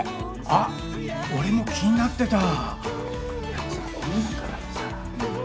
あっ俺も気になってた！